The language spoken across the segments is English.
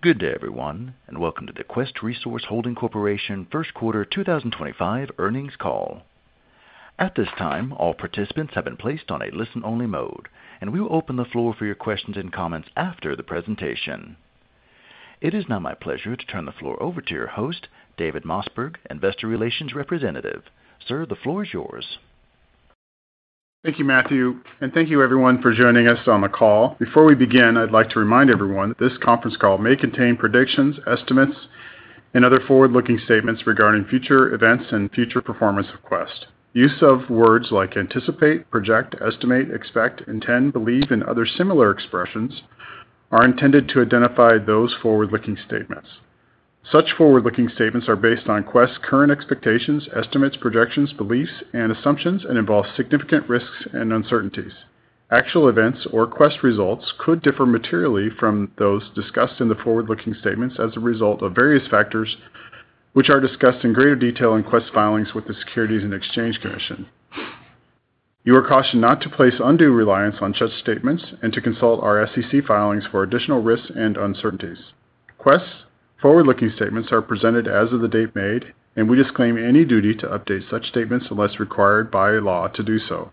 Good day, everyone, and welcome to the Quest Resource Holding Corporation First Quarter 2025 earnings call. At this time, all participants have been placed on a listen-only mode, and we will open the floor for your questions and comments after the presentation. It is now my pleasure to turn the floor over to your host, David Mossberg, Investor Relations Representative. Sir, the floor is yours. Thank you, Matthew, and thank you, everyone, for joining us on the call. Before we begin, I'd like to remind everyone that this conference call may contain predictions, estimates, and other forward-looking statements regarding future events and future performance of Quest. Use of words like anticipate, project, estimate, expect, intend, believe, and other similar expressions are intended to identify those forward-looking statements. Such forward-looking statements are based on Quest's current expectations, estimates, projections, beliefs, and assumptions, and involve significant risks and uncertainties. Actual events or Quest results could differ materially from those discussed in the forward-looking statements as a result of various factors, which are discussed in greater detail in Quest's filings with the Securities and Exchange Commission. You are cautioned not to place undue reliance on such statements and to consult our SEC filings for additional risks and uncertainties. Quest's forward-looking statements are presented as of the date made, and we disclaim any duty to update such statements unless required by law to do so.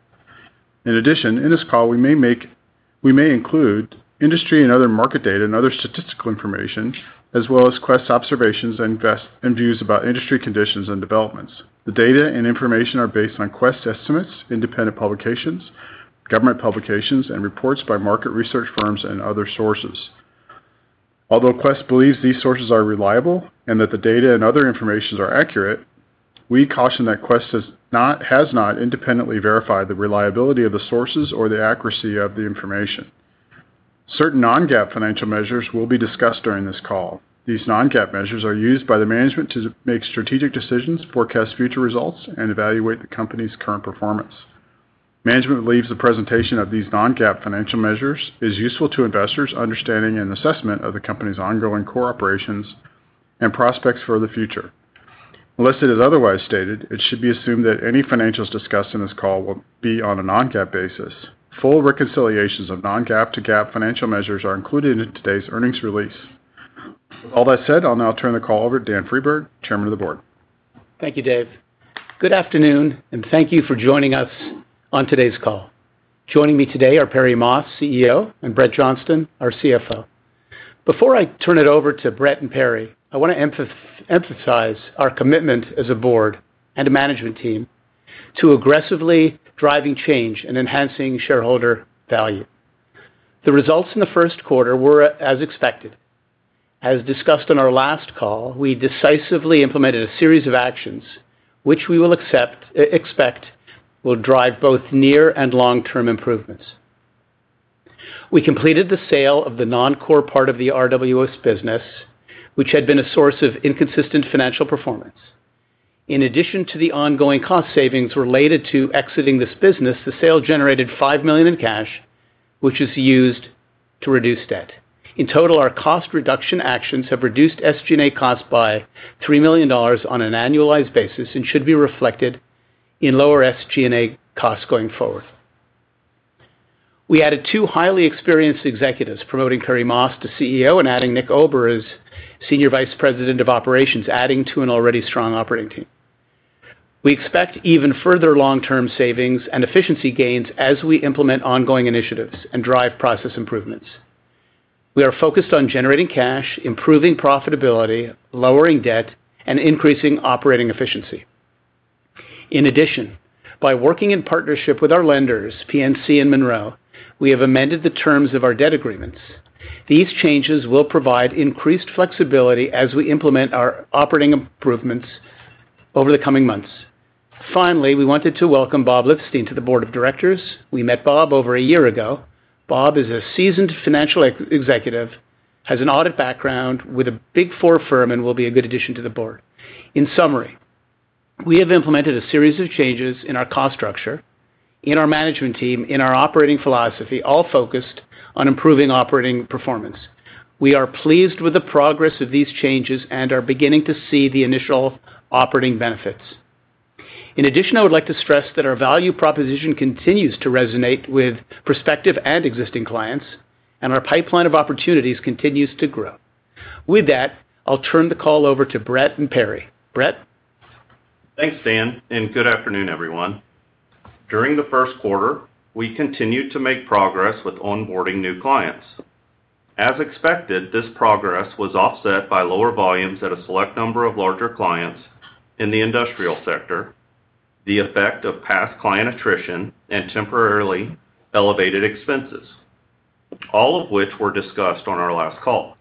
In addition, in this call, we may include industry and other market data and other statistical information, as well as Quest's observations and views about industry conditions and developments. The data and information are based on Quest's estimates, independent publications, government publications, and reports by market research firms and other sources. Although Quest believes these sources are reliable and that the data and other information are accurate, we caution that Quest has not independently verified the reliability of the sources or the accuracy of the information. Certain non-GAAP financial measures will be discussed during this call. These non-GAAP measures are used by the management to make strategic decisions, forecast future results, and evaluate the company's current performance. Management believes the presentation of these non-GAAP financial measures is useful to investors' understanding and assessment of the company's ongoing core operations and prospects for the future. Unless it is otherwise stated, it should be assumed that any financials discussed in this call will be on a non-GAAP basis. Full reconciliations of non-GAAP to GAAP financial measures are included in today's earnings release. With all that said, I'll now turn the call over to Dan Friedberg, Chairman of the Board. Thank you, Dave. Good afternoon, and thank you for joining us on today's call. Joining me today are Perry Moss, CEO, and Brett Johnston, our CFO. Before I turn it over to Brett and Perry, I want to emphasize our commitment as a board and a management team to aggressively driving change and enhancing shareholder value. The results in the first quarter were as expected. As discussed on our last call, we decisively implemented a series of actions which we will expect will drive both near and long-term improvements. We completed the sale of the non-core part of the RWO's business, which had been a source of inconsistent financial performance. In addition to the ongoing cost savings related to exiting this business, the sale generated $5 million in cash, which is used to reduce debt. In total, our cost reduction actions have reduced SG&A costs by $3 million on an annualized basis and should be reflected in lower SG&A costs going forward. We added two highly experienced executives, promoting Perry Moss to CEO and adding Nick Ober as Senior Vice President of Operations, adding to an already strong operating team. We expect even further long-term savings and efficiency gains as we implement ongoing initiatives and drive process improvements. We are focused on generating cash, improving profitability, lowering debt, and increasing operating efficiency. In addition, by working in partnership with our lenders, PNC and Monroe, we have amended the terms of our debt agreements. These changes will provide increased flexibility as we implement our operating improvements over the coming months. Finally, we wanted to welcome Bob Lithstein to the Board of Directors. We met Bob over a year ago. Bob is a seasoned financial executive, has an audit background with a Big Four firm, and will be a good addition to the board. In summary, we have implemented a series of changes in our cost structure, in our management team, in our operating philosophy, all focused on improving operating performance. We are pleased with the progress of these changes and are beginning to see the initial operating benefits. In addition, I would like to stress that our value proposition continues to resonate with prospective and existing clients, and our pipeline of opportunities continues to grow. With that, I'll turn the call over to Brett and Perry. Brett. Thanks, Dan, and good afternoon, everyone. During the first quarter, we continued to make progress with onboarding new clients. As expected, this progress was offset by lower volumes at a select number of larger clients in the industrial sector, the effect of past client attrition, and temporarily elevated expenses, all of which were discussed on our last call.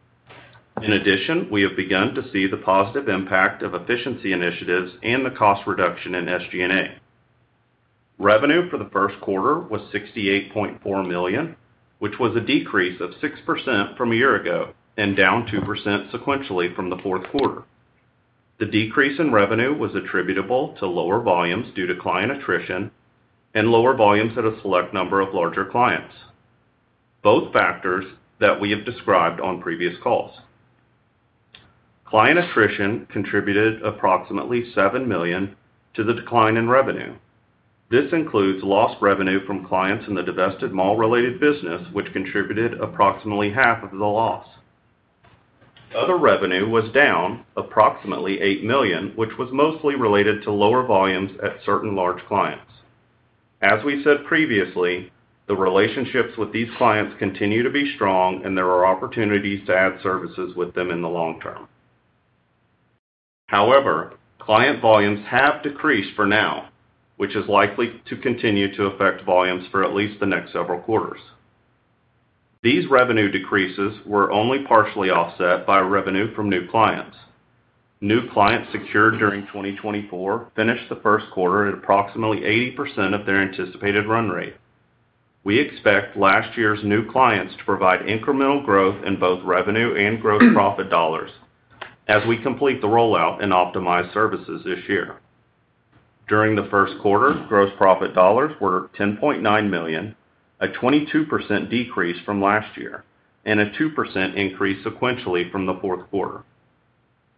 In addition, we have begun to see the positive impact of efficiency initiatives and the cost reduction in SG&A. Revenue for the first quarter was $68.4 million, which was a decrease of 6% from a year ago and down 2% sequentially from the fourth quarter. The decrease in revenue was attributable to lower volumes due to client attrition and lower volumes at a select number of larger clients, both factors that we have described on previous calls. Client attrition contributed approximately $7 million to the decline in revenue. This includes lost revenue from clients in the divested mall-related business, which contributed approximately half of the loss. Other revenue was down approximately $8 million, which was mostly related to lower volumes at certain large clients. As we said previously, the relationships with these clients continue to be strong, and there are opportunities to add services with them in the long term. However, client volumes have decreased for now, which is likely to continue to affect volumes for at least the next several quarters. These revenue decreases were only partially offset by revenue from new clients. New clients secured during 2024 finished the first quarter at approximately 80% of their anticipated run rate. We expect last year's new clients to provide incremental growth in both revenue and gross profit dollars as we complete the rollout and optimize services this year. During the first quarter, gross profit dollars were $10.9 million, a 22% decrease from last year, and a 2% increase sequentially from the fourth quarter.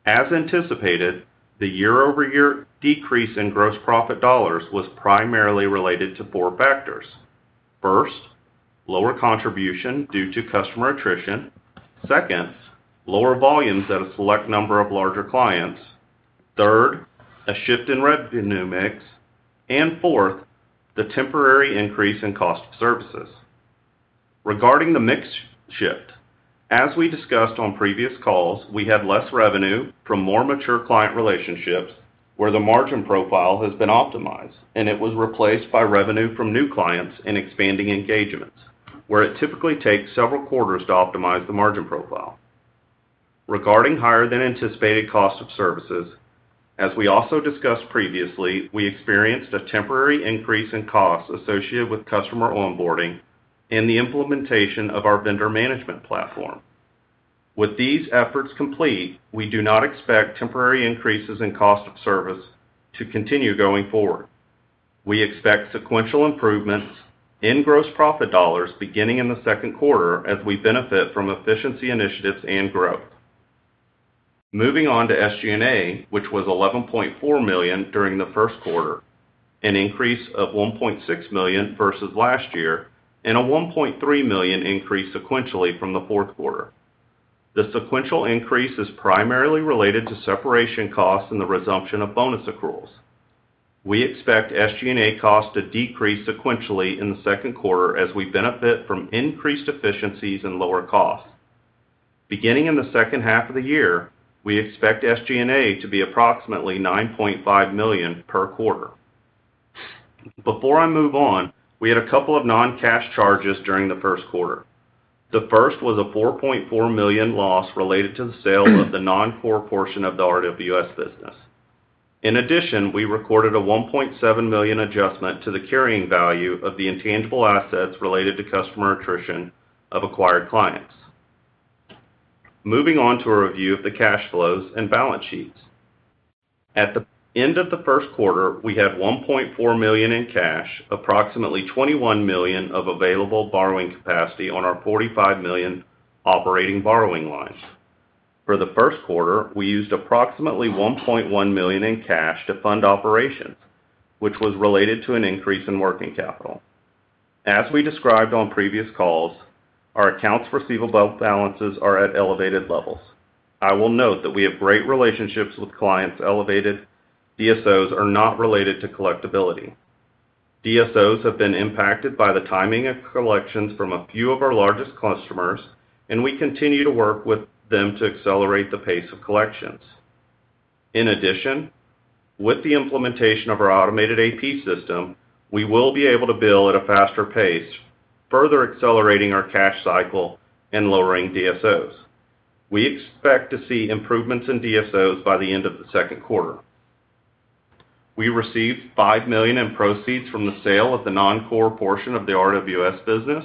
As anticipated, the year-over-year decrease in gross profit dollars was primarily related to four factors. First, lower contribution due to customer attrition. Second, lower volumes at a select number of larger clients. Third, a shift in revenue mix. Fourth, the temporary increase in cost of services. Regarding the mix shift, as we discussed on previous calls, we had less revenue from more mature client relationships where the margin profile has been optimized, and it was replaced by revenue from new clients and expanding engagements, where it typically takes several quarters to optimize the margin profile. Regarding higher-than-anticipated cost of services, as we also discussed previously, we experienced a temporary increase in costs associated with customer onboarding and the implementation of our vendor management platform. With these efforts complete, we do not expect temporary increases in cost of service to continue going forward. We expect sequential improvements in gross profit dollars beginning in the second quarter as we benefit from efficiency initiatives and growth. Moving on to SG&A, which was $11.4 million during the first quarter, an increase of $1.6 million versus last year, and a $1.3 million increase sequentially from the fourth quarter. The sequential increase is primarily related to separation costs and the resumption of bonus accruals. We expect SG&A costs to decrease sequentially in the second quarter as we benefit from increased efficiencies and lower costs. Beginning in the second half of the year, we expect SG&A to be approximately $9.5 million per quarter. Before I move on, we had a couple of non-cash charges during the first quarter. The first was a $4.4 million loss related to the sale of the non-core portion of the RWS business. In addition, we recorded a $1.7 million adjustment to the carrying value of the intangible assets related to customer attrition of acquired clients. Moving on to a review of the cash flows and balance sheets. At the end of the first quarter, we had $1.4 million in cash, approximately $21 million of available borrowing capacity on our $45 million operating borrowing line. For the first quarter, we used approximately $1.1 million in cash to fund operations, which was related to an increase in working capital. As we described on previous calls, our accounts receivable balances are at elevated levels. I will note that we have great relationships with clients. Elevated DSOs are not related to collectibility. DSOs have been impacted by the timing of collections from a few of our largest customers, and we continue to work with them to accelerate the pace of collections. In addition, with the implementation of our automated AP system, we will be able to bill at a faster pace, further accelerating our cash cycle and lowering DSOs. We expect to see improvements in DSOs by the end of the second quarter. We received $5 million in proceeds from the sale of the non-core portion of the RWS business.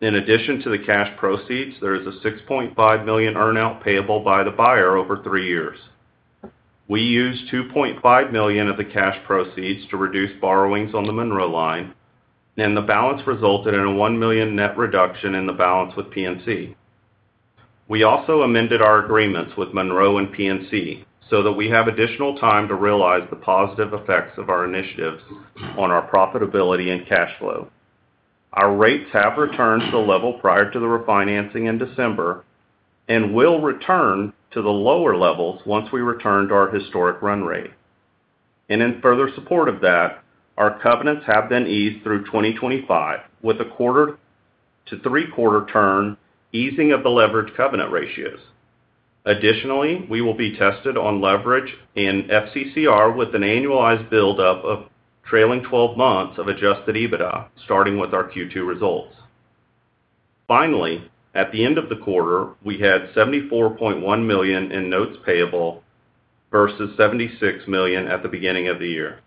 In addition to the cash proceeds, there is a $6.5 million earnout payable by the buyer over three years. We used $2.5 million of the cash proceeds to reduce borrowings on the Monroe line, and the balance resulted in a $1 million net reduction in the balance with PNC. We also amended our agreements with Monroe and PNC so that we have additional time to realize the positive effects of our initiatives on our profitability and cash flow. Our rates have returned to the level prior to the refinancing in December and will return to the lower levels once we return to our historic run rate. In further support of that, our covenants have been eased through 2025 with a quarter- to three-quarter-turn easing of the leverage covenant ratios. Additionally, we will be tested on leverage in FCCR with an annualized build-up of trailing 12 months of adjusted EBITDA, starting with our Q2 results. Finally, at the end of the quarter, we had $74.1 million in notes payable versus $76 million at the beginning of the year.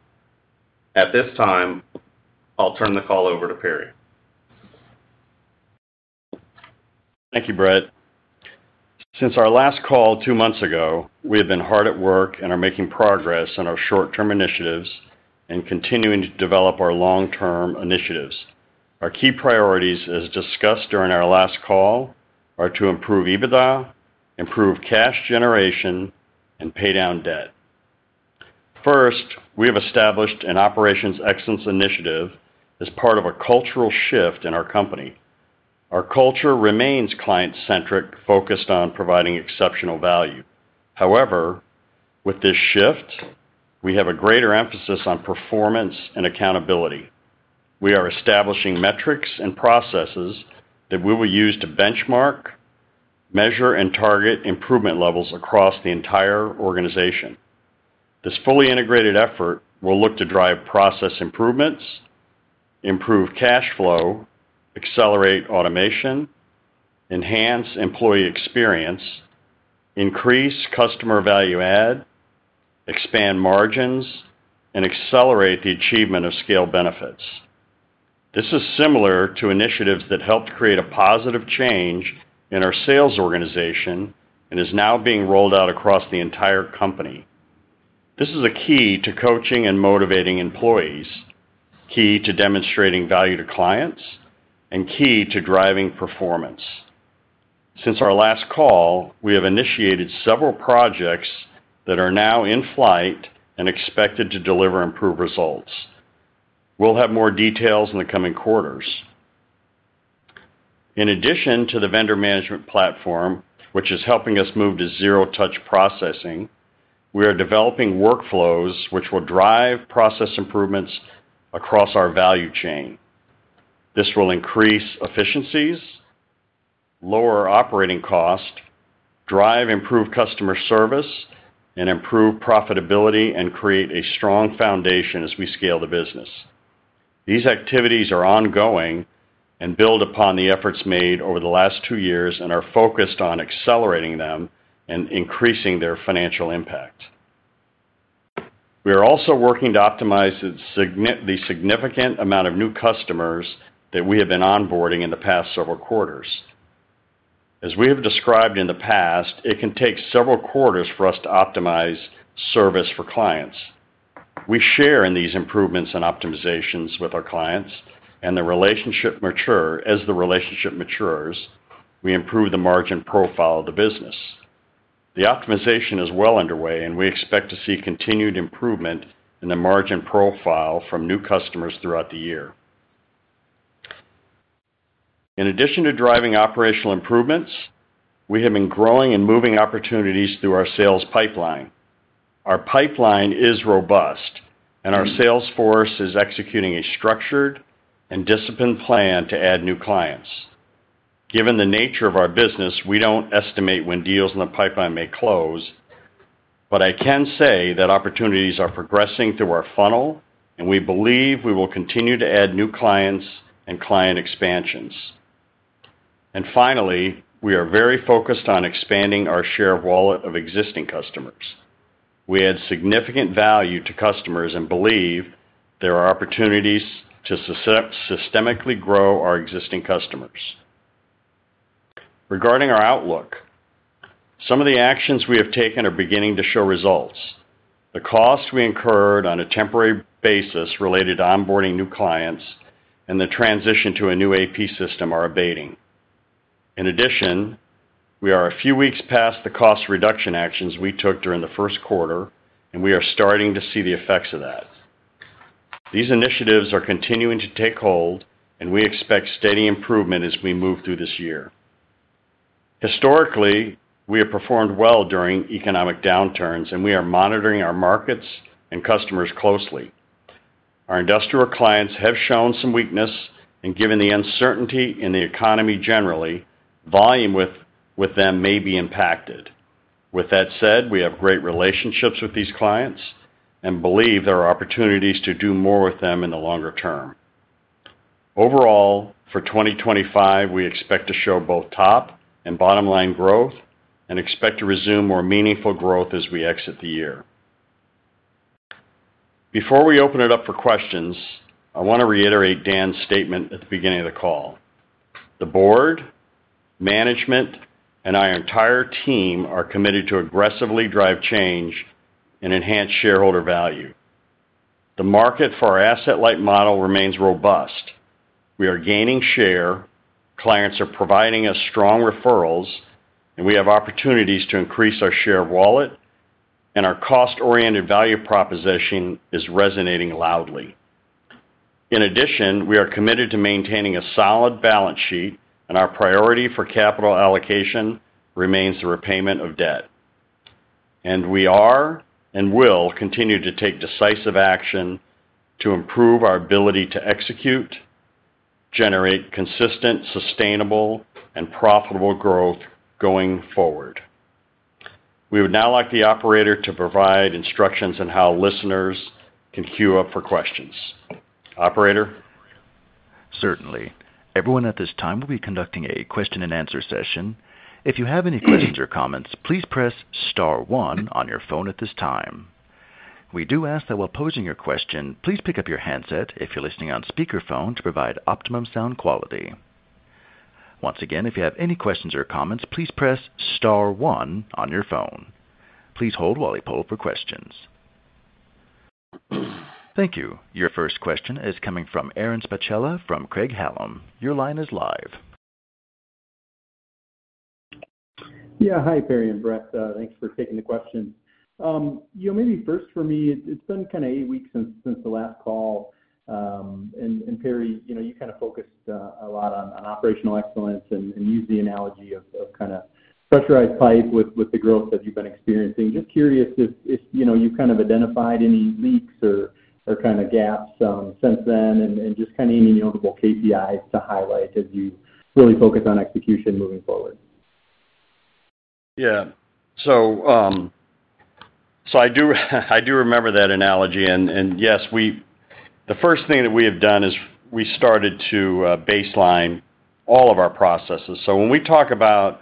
At this time, I'll turn the call over to Perry. Thank you, Brett. Since our last call two months ago, we have been hard at work and are making progress in our short-term initiatives and continuing to develop our long-term initiatives. Our key priorities, as discussed during our last call, are to improve EBITDA, improve cash generation, and pay down debt. First, we have established an operations excellence initiative as part of a cultural shift in our company. Our culture remains client-centric, focused on providing exceptional value. However, with this shift, we have a greater emphasis on performance and accountability. We are establishing metrics and processes that we will use to benchmark, measure, and target improvement levels across the entire organization. This fully integrated effort will look to drive process improvements, improve cash flow, accelerate automation, enhance employee experience, increase customer value-add, expand margins, and accelerate the achievement of scale benefits. This is similar to initiatives that helped create a positive change in our sales organization and is now being rolled out across the entire company. This is a key to coaching and motivating employees, key to demonstrating value to clients, and key to driving performance. Since our last call, we have initiated several projects that are now in flight and expected to deliver improved results. We'll have more details in the coming quarters. In addition to the vendor management platform, which is helping us move to zero-touch processing, we are developing workflows which will drive process improvements across our value chain. This will increase efficiencies, lower operating costs, drive improved customer service, and improve profitability and create a strong foundation as we scale the business. These activities are ongoing and build upon the efforts made over the last two years and are focused on accelerating them and increasing their financial impact. We are also working to optimize the significant amount of new customers that we have been onboarding in the past several quarters. As we have described in the past, it can take several quarters for us to optimize service for clients. We share in these improvements and optimizations with our clients, and the relationship matures. As the relationship matures, we improve the margin profile of the business. The optimization is well underway, and we expect to see continued improvement in the margin profile from new customers throughout the year. In addition to driving operational improvements, we have been growing and moving opportunities through our sales pipeline. Our pipeline is robust, and our sales force is executing a structured and disciplined plan to add new clients. Given the nature of our business, we don't estimate when deals in the pipeline may close, but I can say that opportunities are progressing through our funnel, and we believe we will continue to add new clients and client expansions. We are very focused on expanding our share of wallet of existing customers. We add significant value to customers and believe there are opportunities to systemically grow our existing customers. Regarding our outlook, some of the actions we have taken are beginning to show results. The cost we incurred on a temporary basis related to onboarding new clients and the transition to a new AP system are abating. In addition, we are a few weeks past the cost reduction actions we took during the first quarter, and we are starting to see the effects of that. These initiatives are continuing to take hold, and we expect steady improvement as we move through this year. Historically, we have performed well during economic downturns, and we are monitoring our markets and customers closely. Our industrial clients have shown some weakness, and given the uncertainty in the economy generally, volume with them may be impacted. With that said, we have great relationships with these clients and believe there are opportunities to do more with them in the longer term. Overall, for 2025, we expect to show both top and bottom-line growth and expect to resume more meaningful growth as we exit the year. Before we open it up for questions, I want to reiterate Dan's statement at the beginning of the call. The Board, management, and our entire team are committed to aggressively drive change and enhance shareholder value. The market for our asset-like model remains robust. We are gaining share. Clients are providing us strong referrals, and we have opportunities to increase our share of wallet, and our cost-oriented value proposition is resonating loudly. In addition, we are committed to maintaining a solid balance sheet, and our priority for capital allocation remains the repayment of debt. We are and will continue to take decisive action to improve our ability to execute, generate consistent, sustainable, and profitable growth going forward. We would now like the operator to provide instructions on how listeners can queue up for questions. Operator. Certainly. Everyone at this time will be conducting a question-and-answer session. If you have any questions or comments, please press star one on your phone at this time. We do ask that while posing your question, please pick up your handset if you're listening on speakerphone to provide optimum sound quality. Once again, if you have any questions or comments, please press star one on your phone. Please hold while we pull for questions. Thank you. Your first question is coming from Aaron Spychalla from Craig-Hallum. Your line is live. Yeah. Hi, Perry and Brett. Thanks for taking the question. Maybe first for me, it's been kind of eight weeks since the last call. And Perry, you kind of focused a lot on operational excellence and used the analogy of kind of pressurized pipe with the growth that you've been experiencing. Just curious if you've kind of identified any leaks or kind of gaps since then and just kind of any notable KPIs to highlight as you really focus on execution moving forward. Yeah. I do remember that analogy. Yes, the first thing that we have done is we started to baseline all of our processes. When we talk about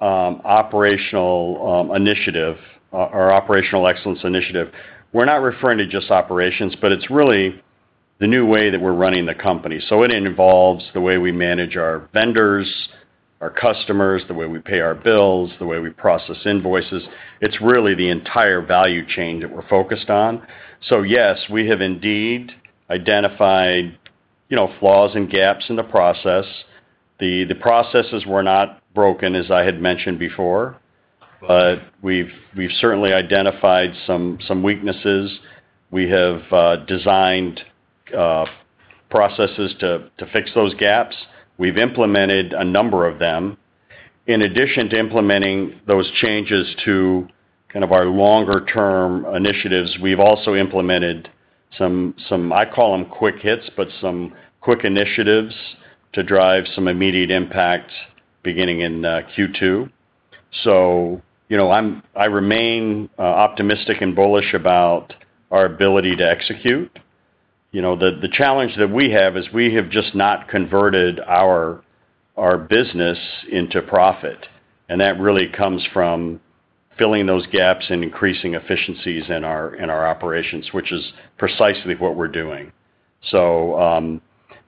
operational initiative or operational excellence initiative, we're not referring to just operations, but it's really the new way that we're running the company. It involves the way we manage our vendors, our customers, the way we pay our bills, the way we process invoices. It's really the entire value chain that we're focused on. Yes, we have indeed identified flaws and gaps in the process. The processes were not broken, as I had mentioned before, but we've certainly identified some weaknesses. We have designed processes to fix those gaps. We've implemented a number of them. In addition to implementing those changes to kind of our longer-term initiatives, we've also implemented some, I call them quick hits, but some quick initiatives to drive some immediate impact beginning in Q2. I remain optimistic and bullish about our ability to execute. The challenge that we have is we have just not converted our business into profit. That really comes from filling those gaps and increasing efficiencies in our operations, which is precisely what we're doing.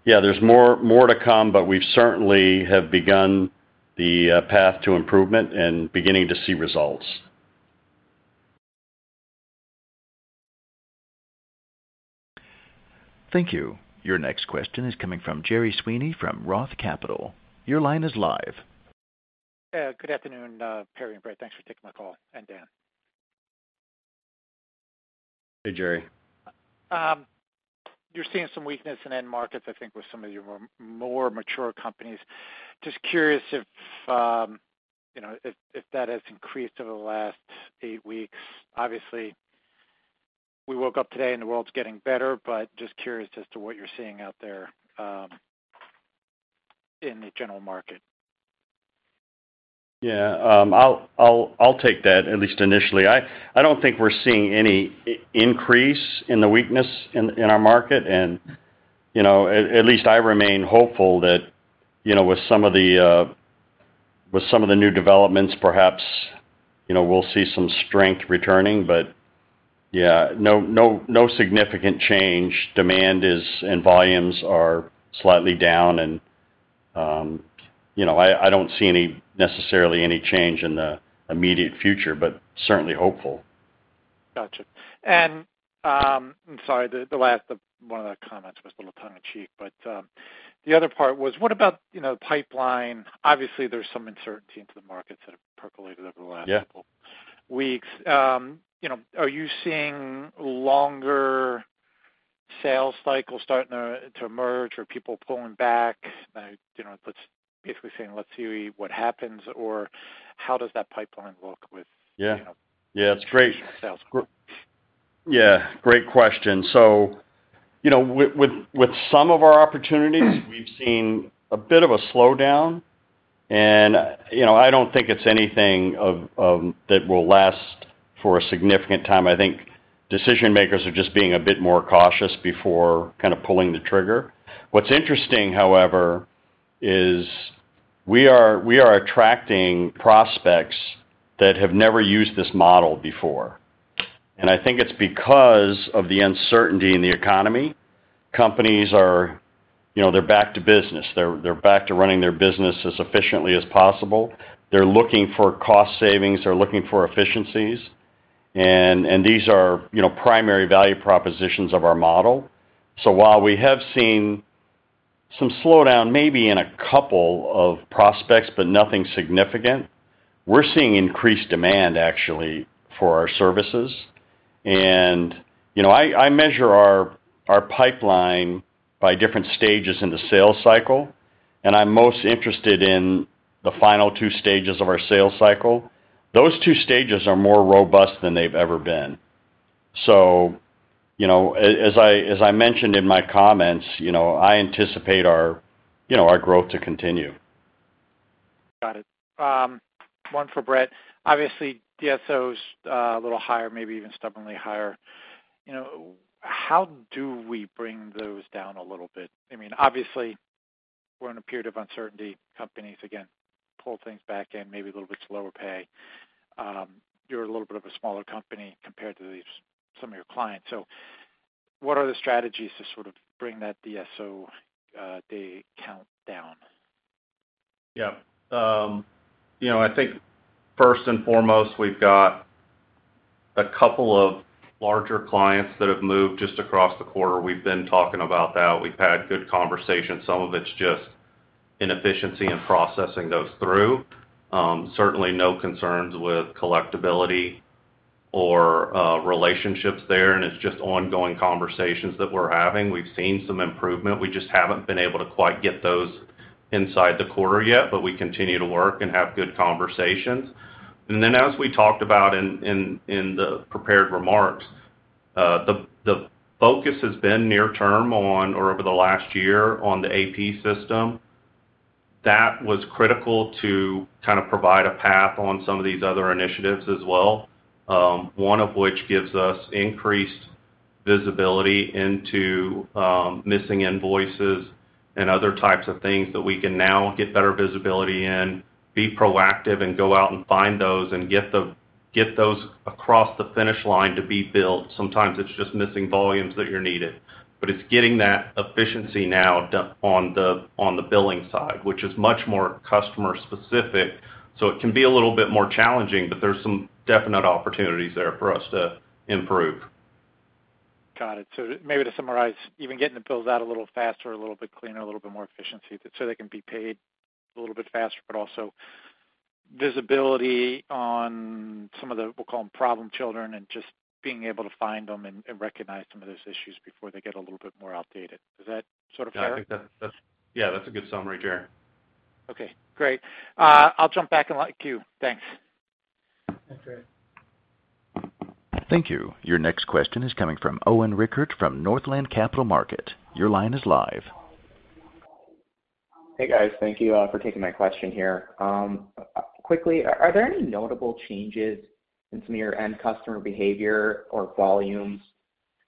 Yeah, there's more to come, but we certainly have begun the path to improvement and beginning to see results. Thank you. Your next question is coming from Jerry Sweeney from Roth Capital. Your line is live. Good afternoon, Perry and Brett. Thanks for taking my call. And Dan. Hey, Jerry. You're seeing some weakness in end markets, I think, with some of your more mature companies. Just curious if that has increased over the last eight weeks. Obviously, we woke up today and the world's getting better, but just curious as to what you're seeing out there in the general market. Yeah. I'll take that, at least initially. I don't think we're seeing any increase in the weakness in our market. At least I remain hopeful that with some of the new developments, perhaps we'll see some strength returning. Yeah, no significant change. Demand and volumes are slightly down. I don't see necessarily any change in the immediate future, but certainly hopeful. Gotcha. Sorry, the last one of the comments was a little tongue in cheek, but the other part was, what about the pipeline? Obviously, there's some uncertainty into the markets that have percolated over the last couple of weeks. Are you seeing longer sales cycles starting to emerge or people pulling back? That's basically saying, "Let's see what happens," or how does that pipeline look with sales? Yeah. Yeah. That's great. Yeah. Great question. With some of our opportunities, we've seen a bit of a slowdown. I don't think it's anything that will last for a significant time. I think decision-makers are just being a bit more cautious before kind of pulling the trigger. What's interesting, however, is we are attracting prospects that have never used this model before. I think it's because of the uncertainty in the economy. Companies, they're back to business. They're back to running their business as efficiently as possible. They're looking for cost savings. They're looking for efficiencies. These are primary value propositions of our model. While we have seen some slowdown maybe in a couple of prospects, but nothing significant, we're seeing increased demand, actually, for our services. I measure our pipeline by different stages in the sales cycle. I'm most interested in the final two stages of our sales cycle. Those two stages are more robust than they've ever been. As I mentioned in my comments, I anticipate our growth to continue. Got it. One for Brett. Obviously, DSO is a little higher, maybe even stubbornly higher. How do we bring those down a little bit? I mean, obviously, we're in a period of uncertainty. Companies again pull things back in, maybe a little bit slower pay. You're a little bit of a smaller company compared to some of your clients. So what are the strategies to sort of bring that DSO day count down? Yeah. I think first and foremost, we've got a couple of larger clients that have moved just across the quarter. We've been talking about that. We've had good conversations. Some of it's just inefficiency in processing those through. Certainly, no concerns with collectibility or relationships there. It's just ongoing conversations that we're having. We've seen some improvement. We just haven't been able to quite get those inside the quarter yet, but we continue to work and have good conversations. As we talked about in the prepared remarks, the focus has been near-term or over the last year on the AP system. That was critical to kind of provide a path on some of these other initiatives as well, one of which gives us increased visibility into missing invoices and other types of things that we can now get better visibility in, be proactive, and go out and find those and get those across the finish line to be billed. Sometimes it's just missing volumes that you're needed. It's getting that efficiency now on the billing side, which is much more customer-specific. It can be a little bit more challenging, but there's some definite opportunities there for us to improve. Got it. Maybe to summarize, even getting the bills out a little faster, a little bit cleaner, a little bit more efficiency so they can be paid a little bit faster, but also visibility on some of the, we'll call them problem children, and just being able to find them and recognize some of those issues before they get a little bit more outdated. Is that sort of fair? Yeah. Yeah. That's a good summary, Jerry. Okay. Great. I'll jump back and let you. Thanks. Thank you. Your next question is coming from Owen Rickert from Northland Capital Markets. Your line is live. Hey, guys. Thank you for taking my question here. Quickly, are there any notable changes in some of your end customer behavior or volumes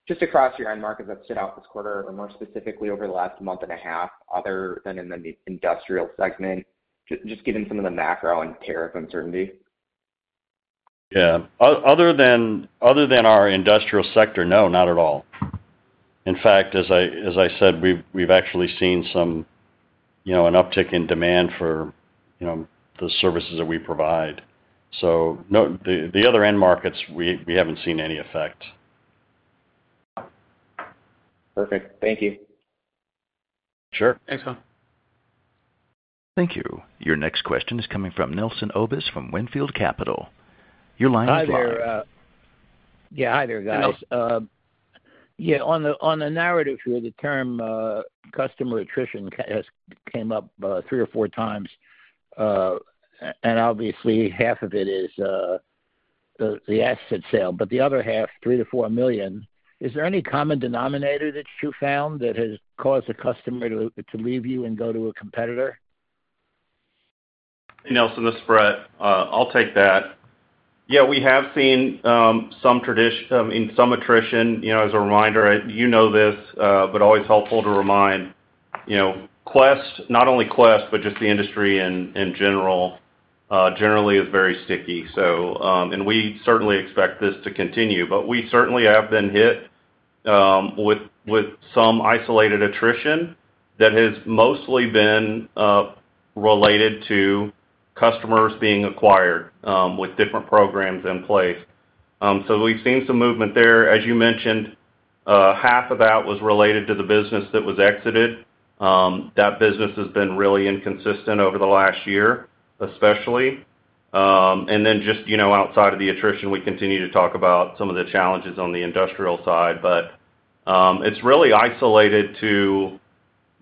just across your end markets that stood out this quarter or more specifically over the last month and a half other than in the industrial segment, just given some of the macro and tariff uncertainty? Yeah. Other than our industrial sector, no, not at all. In fact, as I said, we've actually seen an uptick in demand for the services that we provide. The other end markets, we haven't seen any effect. Perfect. Thank you. Sure. Thanks, Tom. Thank you. Your next question is coming from Nelson Obis from Winfield Capital. Your line is live. Hi there. Yeah. Hi there, guys. Yeah. On the narrative here, the term customer attrition came up three or four times. Obviously, half of it is the asset sale, but the other half, $3 million-$4 million. Is there any common denominator that you found that has caused a customer to leave you and go to a competitor? it is Brett. I'll take that. Yeah. We have seen some attrition. As a reminder, you know this, but always helpful to remind, not only Quest, but just the industry in general, generally is very sticky. We certainly expect this to continue. We certainly have been hit with some isolated attrition that has mostly been related to customers being acquired with different programs in place. We have seen some movement there. As you mentioned, half of that was related to the business that was exited. That business has been really inconsistent over the last year, especially. Outside of the attrition, we continue to talk about some of the challenges on the industrial side. It is really isolated to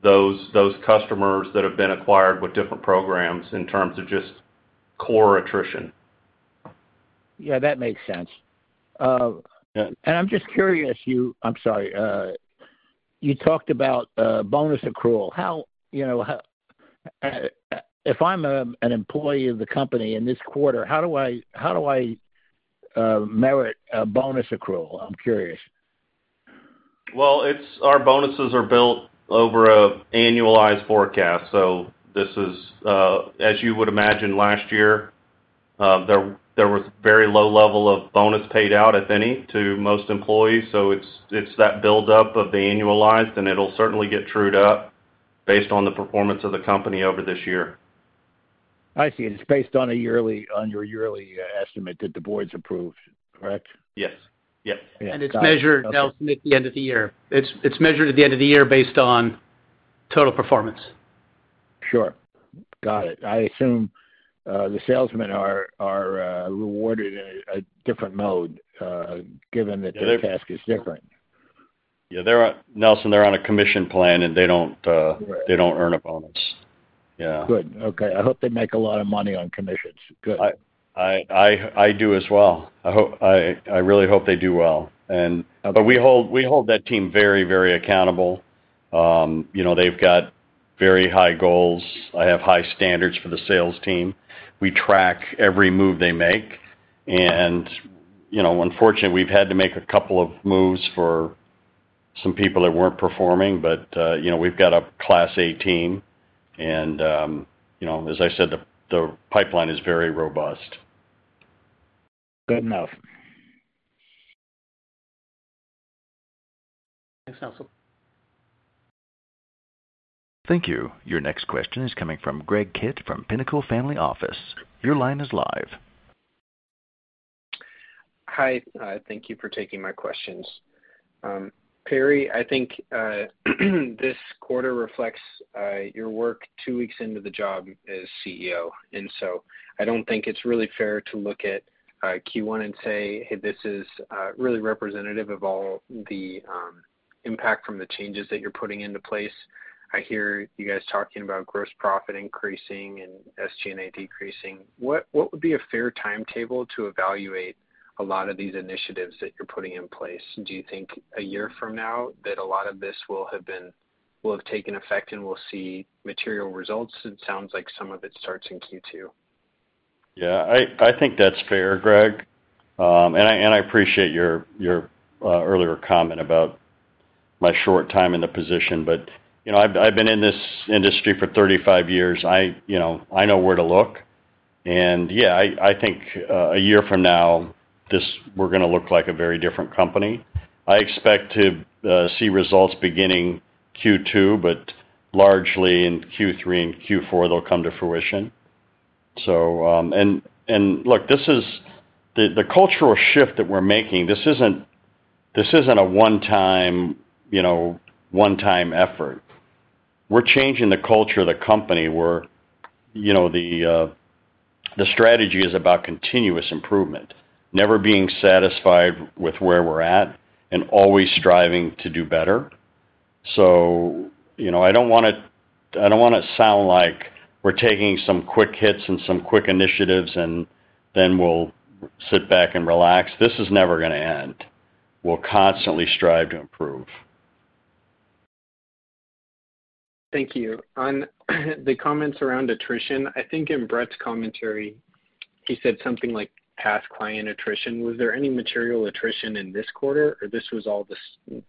those customers that have been acquired with different programs in terms of just core attrition. Yeah. That makes sense. I'm just curious. I'm sorry. You talked about bonus accrual. If I'm an employee of the company in this quarter, how do I merit a bonus accrual? I'm curious. Our bonuses are built over an annualized forecast. As you would imagine, last year, there was very low level of bonus paid out, if any, to most employees. It is that build-up of the annualized, and it will certainly get trued up based on the performance of the company over this year. I see. It's based on your yearly estimate that the board's approved, correct? Yes. Yes. It is measured, Nelson, at the end of the year. It is measured at the end of the year based on total performance. Sure. Got it. I assume the salesmen are rewarded in a different mode given that their task is different. Yeah. Nelson, they're on a commission plan, and they don't earn a bonus. Yeah. Good. Okay. I hope they make a lot of money on commissions. Good. I do as well. I really hope they do well. We hold that team very, very accountable. They've got very high goals. I have high standards for the sales team. We track every move they make. Unfortunately, we've had to make a couple of moves for some people that weren't performing, but we've got a Class A team. As I said, the pipeline is very robust. Good enough. Thanks, Nelson. Thank you. Your next question is coming from Greg Kitt from Pinnacle Family Office. Your line is live. Hi. Thank you for taking my questions. Perry, I think this quarter reflects your work two weeks into the job as CEO. I do not think it is really fair to look at Q1 and say, "Hey, this is really representative of all the impact from the changes that you are putting into place." I hear you guys talking about gross profit increasing and SG&A decreasing. What would be a fair timetable to evaluate a lot of these initiatives that you are putting in place? Do you think a year from now that a lot of this will have taken effect and we will see material results? It sounds like some of it starts in Q2. Yeah. I think that's fair, Greg. I appreciate your earlier comment about my short time in the position. I've been in this industry for 35 years. I know where to look. I think a year from now, we're going to look like a very different company. I expect to see results beginning Q2, but largely in Q3 and Q4, they'll come to fruition. This is the cultural shift that we're making. This isn't a one-time effort. We're changing the culture of the company where the strategy is about continuous improvement, never being satisfied with where we're at, and always striving to do better. I don't want to sound like we're taking some quick hits and some quick initiatives, and then we'll sit back and relax. This is never going to end. We'll constantly strive to improve. Thank you. On the comments around attrition, I think in Brett's commentary, he said something like past client attrition. Was there any material attrition in this quarter, or this was all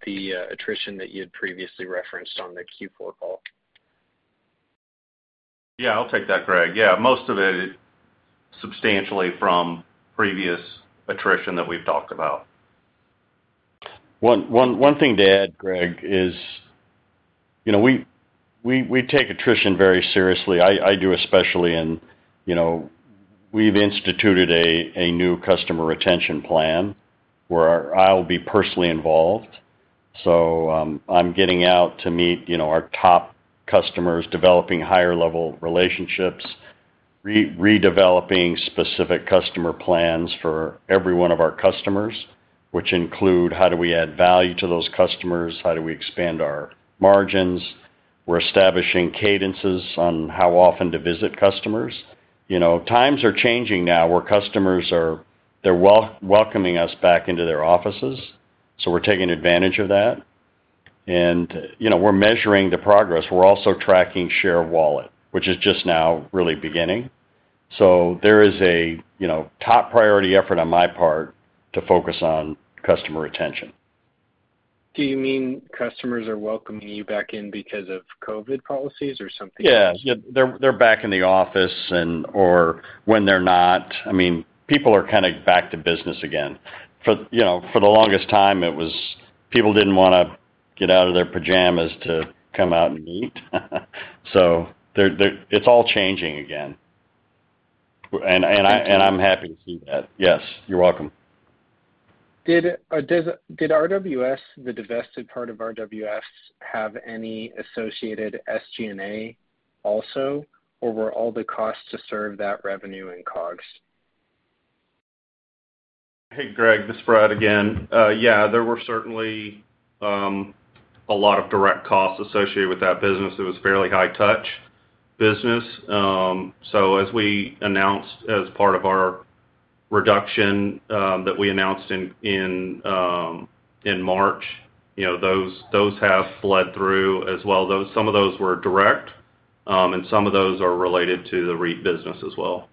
the attrition that you had previously referenced on the Q4 call? Yeah. I'll take that, Greg. Yeah. Most of it substantially from previous attrition that we've talked about. One thing to add, Greg, is we take attrition very seriously. I do especially. And we've instituted a new customer retention plan where I'll be personally involved. I'm getting out to meet our top customers, developing higher-level relationships, redeveloping specific customer plans for every one of our customers, which include how do we add value to those customers, how do we expand our margins. We're establishing cadences on how often to visit customers. Times are changing now where customers are welcoming us back into their offices. We're taking advantage of that. We're measuring the progress. We're also tracking share wallet, which is just now really beginning. There is a top priority effort on my part to focus on customer retention. Do you mean customers are welcoming you back in because of COVID policies or something? Yeah. They're back in the office or when they're not. I mean, people are kind of back to business again. For the longest time, people didn't want to get out of their pajamas to come out and meet. It is all changing again. I'm happy to see that. Yes. You're welcome. Did the divested part of RWS have any associated SG&A also, or were all the costs to serve that revenue in COGS? Hey, Greg, this is Brett again. Yeah. There were certainly a lot of direct costs associated with that business. It was a fairly high-touch business. As we announced as part of our reduction that we announced in March, those have bled through as well. Some of those were direct, and some of those are related to the REIT business as well.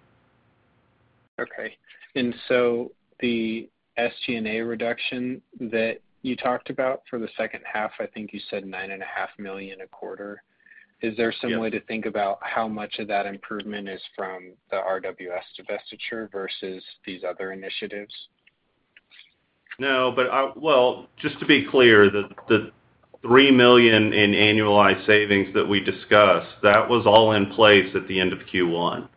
Okay. And the SG&A reduction that you talked about for the second half, I think you said $9.5 million a quarter. Is there some way to think about how much of that improvement is from the RWS divestiture versus these other initiatives? No. Just to be clear, the $3 million in annualized savings that we discussed, that was all in place at the end of Q1.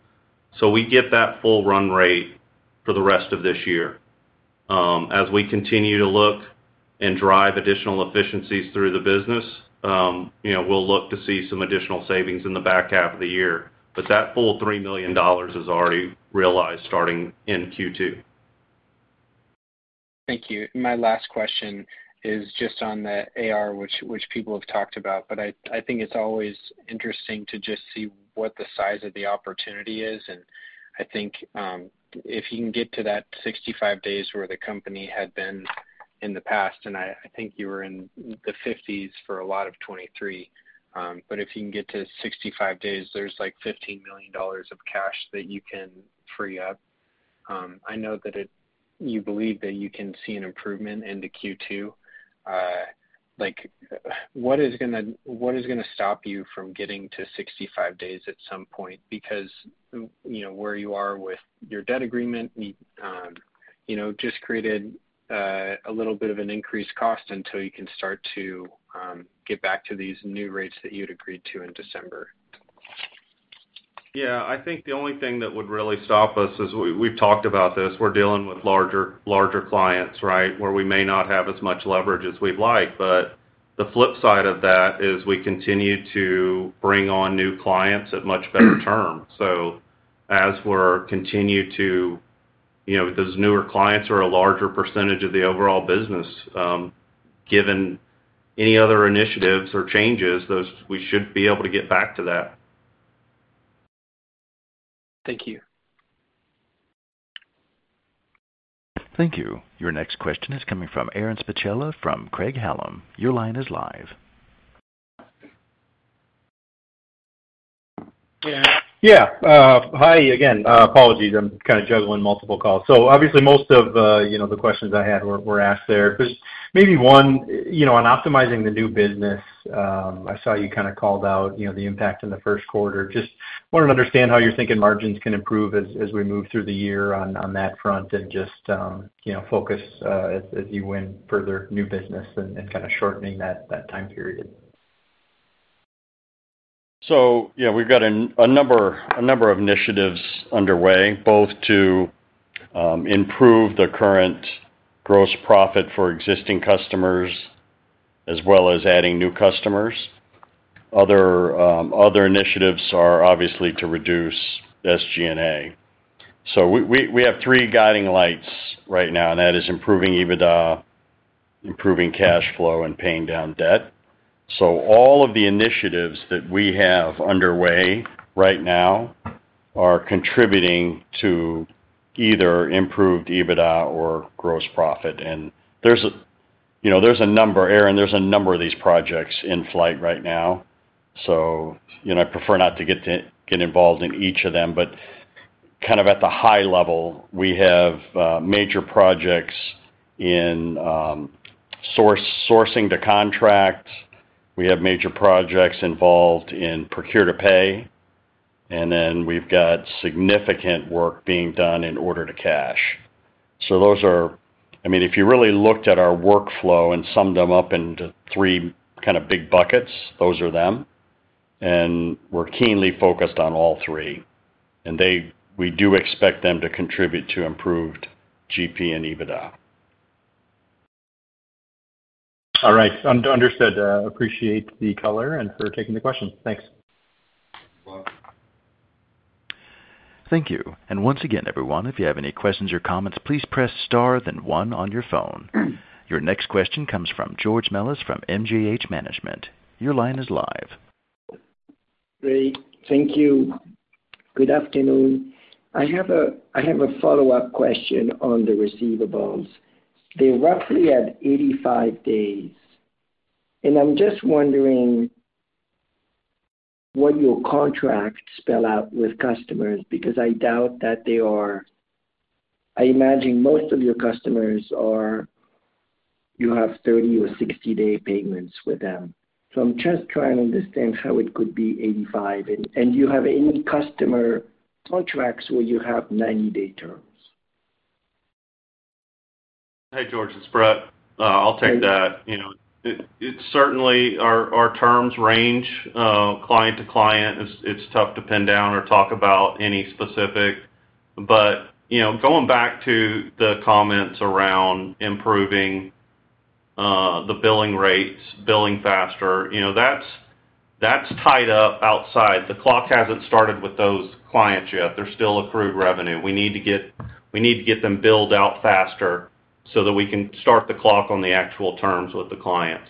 So we get that full run rate for the rest of this year. As we continue to look and drive additional efficiencies through the business, we'll look to see some additional savings in the back half of the year. That full $3 million is already realized starting in Q2. Thank you. My last question is just on the AR, which people have talked about. I think it's always interesting to just see what the size of the opportunity is. I think if you can get to that 65 days where the company had been in the past, and I think you were in the 50s for a lot of 2023. If you can get to 65 days, there's like $15 million of cash that you can free up. I know that you believe that you can see an improvement into Q2. What is going to stop you from getting to 65 days at some point? Because where you are with your debt agreement, you just created a little bit of an increased cost until you can start to get back to these new rates that you had agreed to in December. Yeah. I think the only thing that would really stop us is we've talked about this. We're dealing with larger clients, right, where we may not have as much leverage as we'd like. The flip side of that is we continue to bring on new clients at much better terms. As we continue to—those newer clients are a larger percentage of the overall business. Given any other initiatives or changes, we should be able to get back to that. Thank you. Thank you. Your next question is coming from Aaron Spicella from Craig-Hallum. Your line is live. Yeah. Hi, again. Apologies. I'm kind of juggling multiple calls. Obviously, most of the questions I had were asked there. There's maybe one on optimizing the new business. I saw you kind of called out the impact in the first quarter. Just wanted to understand how you're thinking margins can improve as we move through the year on that front and just focus as you win further new business and kind of shortening that time period. Yeah, we've got a number of initiatives underway, both to improve the current gross profit for existing customers as well as adding new customers. Other initiatives are obviously to reduce SG&A. We have three guiding lights right now, and that is improving EBITDA, improving cash flow, and paying down debt. All of the initiatives that we have underway right now are contributing to either improved EBITDA or gross profit. There is a number, Aaron, there is a number of these projects in flight right now. I prefer not to get involved in each of them. Kind of at the high level, we have major projects in sourcing to contract. We have major projects involved in procure to pay. We have significant work being done in order to cash. If you really looked at our workflow and summed them up into three kind of big buckets, those are them. We are keenly focused on all three. We do expect them to contribute to improved GP and EBITDA. All right. Understood. Appreciate the color and for taking the questions. Thanks. You're welcome. Thank you. Once again, everyone, if you have any questions or comments, please press star, then one on your phone. Your next question comes from George Mellas from MGH Management. Your line is live. Great. Thank you. Good afternoon. I have a follow-up question on the receivables. They're roughly at 85 days. I'm just wondering what your contracts spell out with customers because I doubt that they are—I imagine most of your customers are—you have 30 or 60-day payments with them. I'm just trying to understand how it could be 85. Do you have any customer contracts where you have 90-day terms? Hey, George, it's Brett. I'll take that. Certainly, our terms range client to client. It's tough to pin down or talk about any specific. Going back to the comments around improving the billing rates, billing faster, that's tied up outside. The clock hasn't started with those clients yet. They're still accrued revenue. We need to get them billed out faster so that we can start the clock on the actual terms with the clients.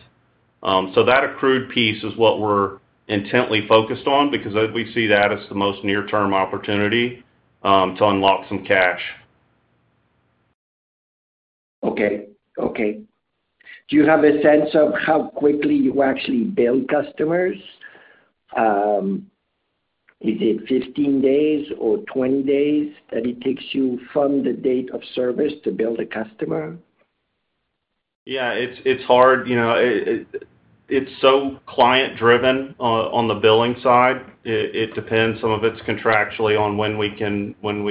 That accrued piece is what we're intently focused on because we see that as the most near-term opportunity to unlock some cash. Okay. Okay. Do you have a sense of how quickly you actually bill customers? Is it 15 days or 20 days that it takes you from the date of service to bill the customer? Yeah. It's hard. It's so client-driven on the billing side. It depends. Some of it's contractually on when we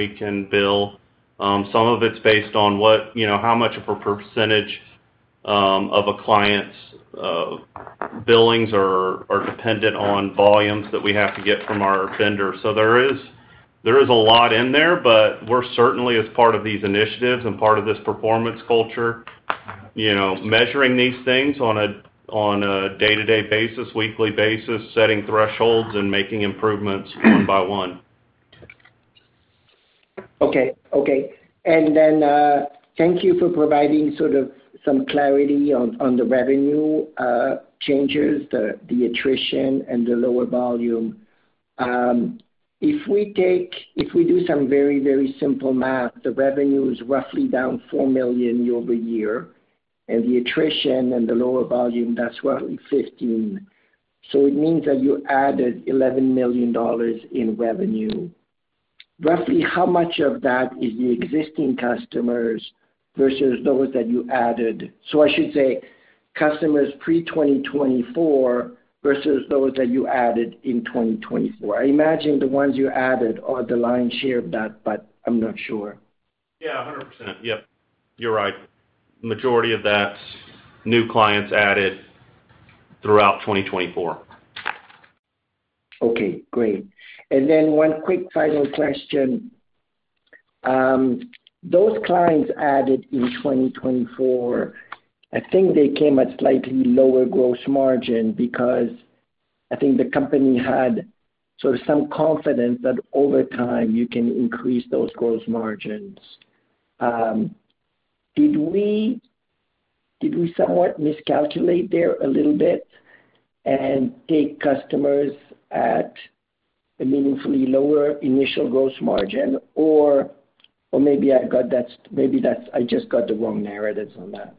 can bill. Some of it's based on how much of a percentage of a client's billings are dependent on volumes that we have to get from our vendor. There is a lot in there, but we're certainly, as part of these initiatives and part of this performance culture, measuring these things on a day-to-day basis, weekly basis, setting thresholds, and making improvements one by one. Okay. Okay. Thank you for providing sort of some clarity on the revenue changes, the attrition, and the lower volume. If we do some very, very simple math, the revenue is roughly down $4 million over a year. The attrition and the lower volume, that's roughly $15 million. It means that you added $11 million in revenue. Roughly, how much of that is the existing customers versus those that you added? I should say customers pre-2024 versus those that you added in 2024. I imagine the ones you added are the lion's share of that, but I'm not sure. Yeah. 100%. Yep. You're right. Majority of that, new clients added throughout 2024. Okay. Great. And then one quick final question. Those clients added in 2024, I think they came at slightly lower gross margin because I think the company had sort of some confidence that over time, you can increase those gross margins. Did we somewhat miscalculate there a little bit and take customers at a meaningfully lower initial gross margin? Or maybe I got that—maybe I just got the wrong narratives on that.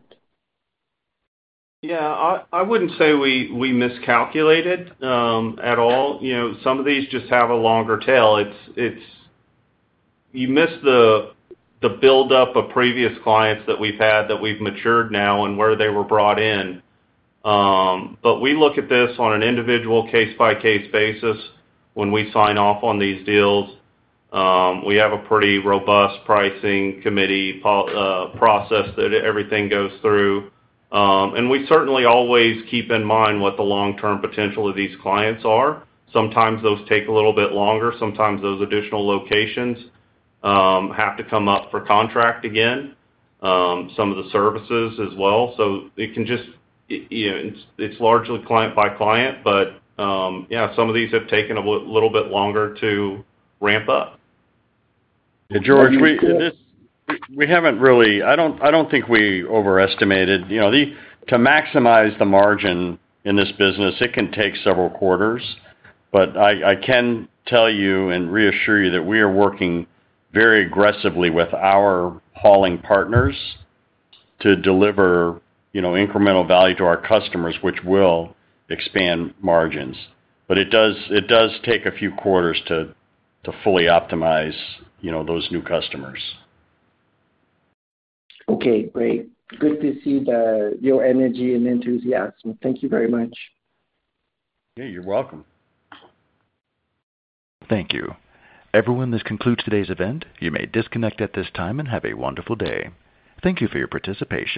Yeah. I wouldn't say we miscalculated at all. Some of these just have a longer tail. You miss the buildup of previous clients that we've had that we've matured now and where they were brought in. We look at this on an individual case-by-case basis when we sign off on these deals. We have a pretty robust pricing committee process that everything goes through. We certainly always keep in mind what the long-term potential of these clients are. Sometimes those take a little bit longer. Sometimes those additional locations have to come up for contract again, some of the services as well. It can just—it's largely client by client. Yeah, some of these have taken a little bit longer to ram-up. George, we haven't really—I don't think we overestimated. To maximize the margin in this business, it can take several quarters. I can tell you and reassure you that we are working very aggressively with our hauling partners to deliver incremental value to our customers, which will expand margins. It does take a few quarters to fully optimize those new customers. Okay. Great. Good to see your energy and enthusiasm. Thank you very much. Yeah. You're welcome. Thank you. Everyone, this concludes today's event. You may disconnect at this time and have a wonderful day. Thank you for your participation.